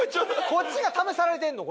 こっちが試されてんの？